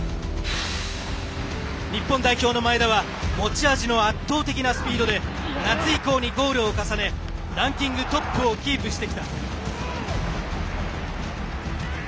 日本代表の前田は持ち味の圧倒的なスピードで夏以降にゴールを重ねランキングトップをキープしてきた。